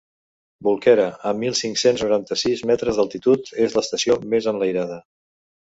Bolquera, a mil cinc-cents noranta-sis metres d’altitud, és l’estació més enlairada.